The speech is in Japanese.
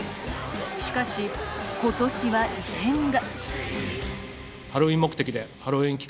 しかし、今年は異変が。